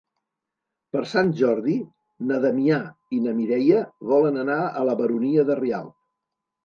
Per Sant Jordi na Damià i na Mireia volen anar a la Baronia de Rialb.